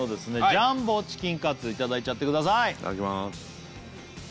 ジャンボチキンカツいただいちゃってくださいいただきます